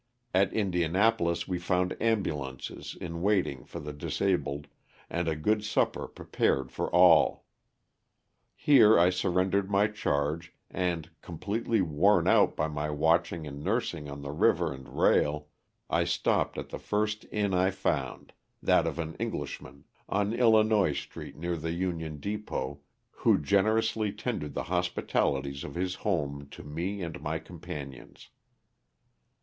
At Indianapolis we found ambulances in waiting for the disabled, and a good supper prepared for all. Here I surrendered my charge, and, completely worn out by my watching and nursing on the river and rail, I stopped at the first inn I found, that of an English man, on Dlinois street, near the Union depot, who generously tendered the hospitalities of his house to me and my companions.